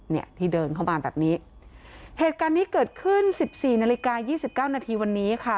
นี่ที่เดินเข้ามาแบบนี้เหตุการณ์นี้เกิดขึ้น๑๔นาฬิกา๒๙นาทีวันนี้ค่ะ